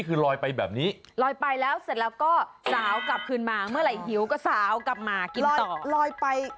อุ้ยยยใจร้ายจัดไป